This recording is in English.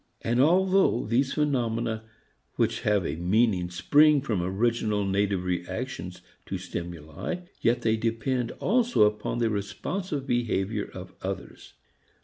And although these phenomena which have a meaning spring from original native reactions to stimuli, yet they depend also upon the responsive behavior of others.